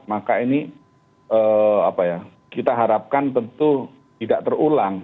maka ini kita harapkan tentu tidak terulang